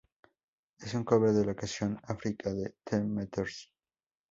Es un cover de la canción "Africa" de The Meters.